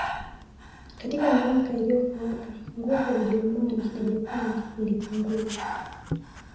Katika miaka iliyofuata nguvu ya Ujerumani na Japani ilipungua